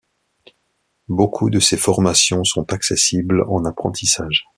Beaucoup de ces formations sont accessible en apprentissage.